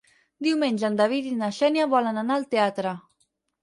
Diumenge en David i na Xènia volen anar al teatre.